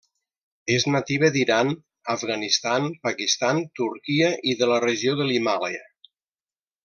És nativa d'Iran, Afganistan, Pakistan, Turquia i de la regió de l'Himàlaia.